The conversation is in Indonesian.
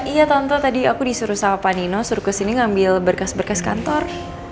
iya tante tadi aku disuruh sama pak nino suruh kesini ngambil berkes berkes kantor